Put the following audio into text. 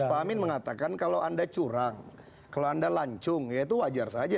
pak amin mengatakan kalau anda curang kalau anda lancung ya itu wajar saja